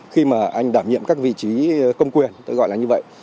khi mà anh đảm nhiệm các vị trí công quyền tôi gọi là như vậy